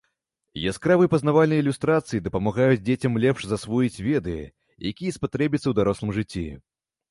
Яскравыя пазнавальныя ілюстрацыі дапамагаюць дзецям лепш засвоіць веды, якія спатрэбяцца ў дарослым жыцці.